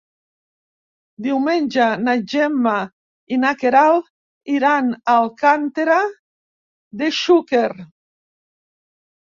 Diumenge na Gemma i na Queralt iran a Alcàntera de Xúquer.